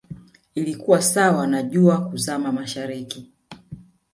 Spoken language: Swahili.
ilikuwa sawa na jua kuzama mashariki